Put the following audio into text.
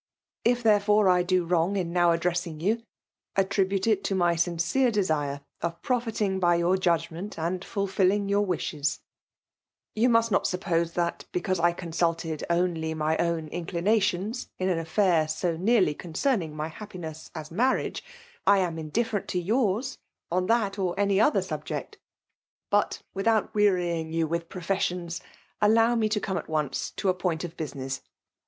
If^ there fore, I do wrong in now addressing you, attri bute it to my sincere desire of profiting by y^ar judgment^ and fulfilling your wishes; You must not suppose that, because I con milted only my own indtnations in an aflfair m nearly concemng my happiness as marriage; I am indifferent to yours on that or any olhel* Mbject But> without wearying yon with pro* fSissions, allow me to come at once to a poitit 6r business.